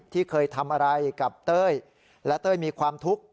ที่เคยทำอะไรกับเต้ยและเต้ยมีความทุกข์